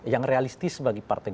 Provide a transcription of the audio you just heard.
yang realistis sebagai partai